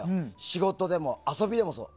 仕事でも、遊びでもそう。